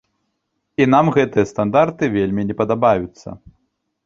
І нам гэтыя стандарты вельмі не падабаюцца.